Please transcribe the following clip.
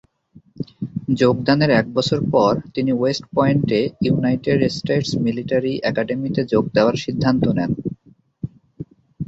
যোগদানের এক বছর পর তিনি ওয়েস্ট পয়েন্টে ইউনাইটেড স্টেটস মিলিটারি অ্যাকাডেমিতে যোগ দেওয়ার সিদ্ধান্ত নেন।